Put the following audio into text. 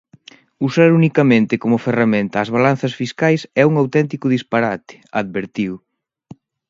Usar unicamente como ferramenta as balanzas fiscais é un auténtico disparate, advertiu.